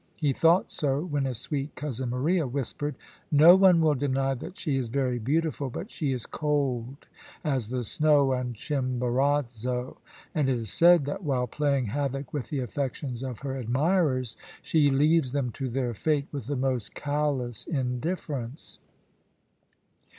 He thought so when his sweet cousin Maria whispered, "No one will deny that she is very beautiful, but she is cold as the snow on Chimborazo, and it is said that while playing havoc with the affections of her admirers, she leaves them to their fate with the most callous indifference."